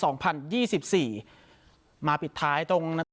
มาปิดท้ายตรงนักศึกษาภาพฝรั่งแห่งอลิมปิก